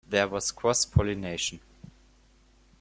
There was cross pollination.